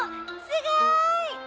すごい！